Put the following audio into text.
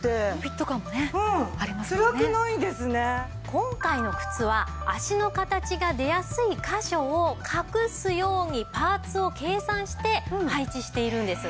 今回の靴は足の形が出やすい箇所を隠すようにパーツを計算して配置しているんです。